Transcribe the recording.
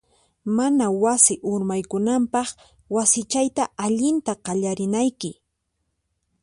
Mana wasi urmaykunanpaq, wasichayta allinta qallarinayki.